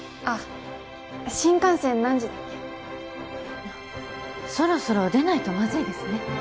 あっそろそろ出ないとまずいですね